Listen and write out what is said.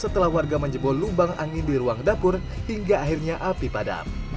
setelah warga menjebol lubang angin di ruang dapur hingga akhirnya api padam